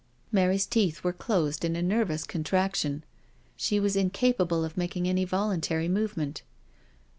Mary's teeth were closed in a nervous contraction. She was incapable of making any voluntary movement.